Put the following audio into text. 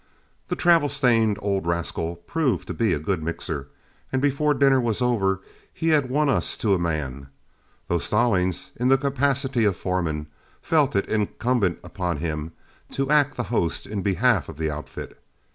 The travel stained old rascal proved to be a good mixer, and before dinner was over he had won us to a man, though Stallings, in the capacity of foreman, felt it incumbent on him to act the host in behalf of the outfit.